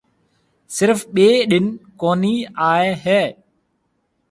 سرف ٻي ڏن ڪونِي آئي هيَ۔